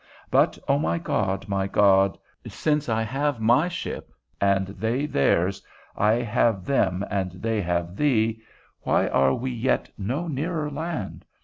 But, O my God, my God, since I have my ship and they theirs, I have them and they have thee, why are we yet no nearer land?